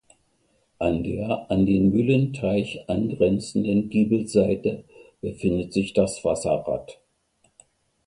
An der an den Mühlenteich angrenzenden Giebelseite befindet sich das Wasserrad.